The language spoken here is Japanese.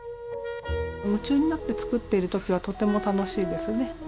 夢中になって作っている時はとても楽しいですね。